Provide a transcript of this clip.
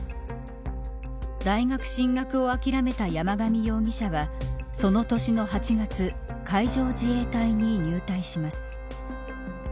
大学進学を諦めた山上容疑者はその年の８月海上自衛隊に入隊します。